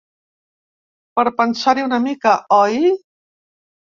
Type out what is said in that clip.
Per pensar-hi una mica, oi?